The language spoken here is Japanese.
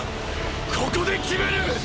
ここで決める！！